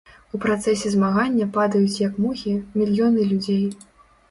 У працэсе змагання падаюць, як мухі, мільёны людзей.